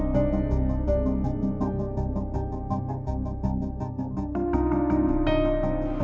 ketika aku sudah menikah